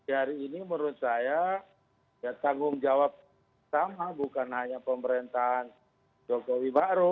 hari ini menurut saya ya tanggung jawab sama bukan hanya pemerintahan jokowi baru